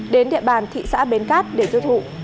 đến địa bàn thị xã bến cát để tiêu thụ